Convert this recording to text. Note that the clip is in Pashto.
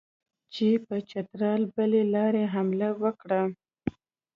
چې پر چترال له بلې لارې حمله وکړي.